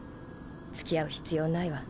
つきあう必要ないわ。